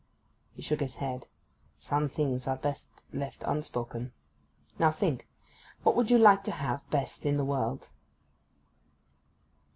He shook his head. 'Some things are best left unspoken. Now think. What would you like to have best in the world?